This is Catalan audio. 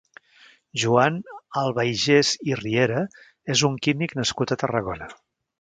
Joan Albaigés i Riera és un químic nascut a Tarragona.